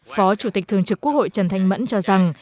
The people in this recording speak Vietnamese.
phó chủ tịch thường trực quốc hội trần thanh mẫn cho rằng